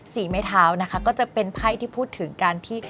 ไม้เท้านะคะก็จะเป็นไพ่ที่พูดถึงการที่